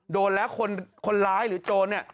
โดนแล้วคนร้ายหรือโจรเนี่ย